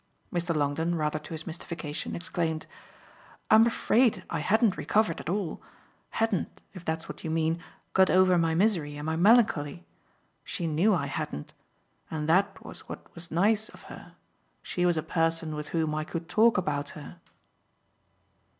Mr. Longdon, rather to his mystification, exclaimed. "I'm afraid I hadn't recovered at all hadn't, if that's what you mean, got over my misery and my melancholy. She knew I hadn't and that was what was nice of her. She was a person with whom I could talk about her."